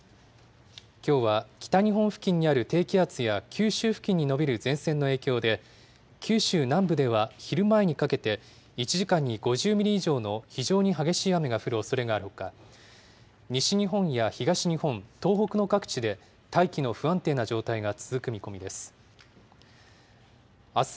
きょうは北日本付近にある低気圧や九州付近に延びる前線の影響で、九州南部では昼前にかけて１時間に５０ミリ以上の非常に激しい雨が降るおそれがあるほか、西日本や東日本、東北の各地で大気の不安定な状態が続く見込みです。